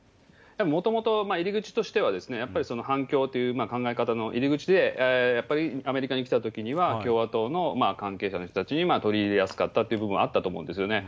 もともと入り口としては、やっぱり、反共という考え方の入り口で、やっぱりアメリカに来たときには共和党の関係者の人たちに取り入れやすかったという部分があったと思うんですよね。